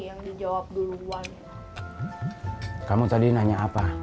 yang dijawab duluan kamu tadi nanya apa